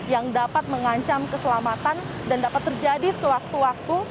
yang dapat mengancam keselamatan dan dapat terjadi sewaktu waktu